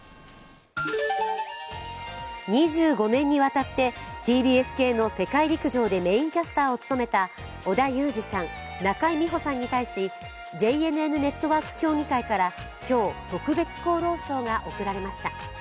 ２５年にわたってＴＢＳ系の「世界陸上」でメインキャスターを務めた織田裕二さん、中井美穂さんに対しＪＮＮネットワーク協議会から今日、特別功労賞が贈られました。